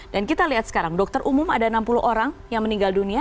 dan kita lihat sekarang dokter umum ada enam puluh orang yang meninggal dunia